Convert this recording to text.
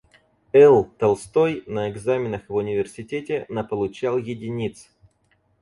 Л.Толстой на экзаменах в университете наполучал единиц.